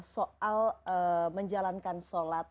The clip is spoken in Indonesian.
soal menjalankan sholat